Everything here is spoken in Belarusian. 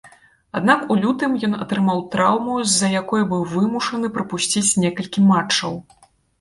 Аднак, у лютым ён атрымаў траўму, з-за якой быў вымушаны прапусціць некалькі матчаў.